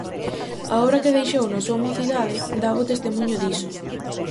A obra que deixou na súa mocidade dá bo testemuño diso.